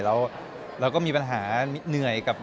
เราก็มีปัญหาเหนื่อยกับ